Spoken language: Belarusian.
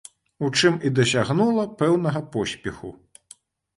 У чым і дасягнула пэўнага поспеху.